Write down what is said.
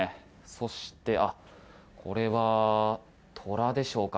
そして、これはトラでしょうか。